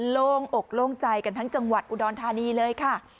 โล่งอกโล่งใจกันทั้งจังหวัดอุดรธานีเลยค่ะ